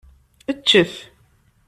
Eččet!